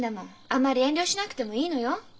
あんまり遠慮しなくてもいいのよ。